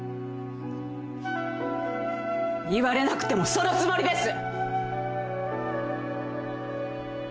言われなくてもそのつもりです！